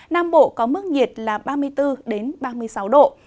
nam bộ có mức nhiệt là ba mươi bốn ba mươi sáu độ